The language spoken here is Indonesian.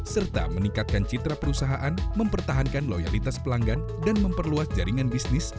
serta meningkatkan citra perusahaan mempertahankan loyalitas pelanggan dan memperluas jaringan bisnis